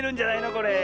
これ。